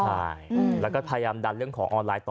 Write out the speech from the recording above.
ใช่แล้วก็พยายามดันเรื่องของออนไลน์ต่อ